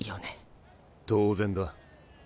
当然だ。